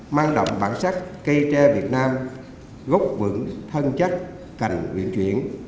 mang động bản sắc cây tre việt nam gốc vững thân chắc cành viện chuyển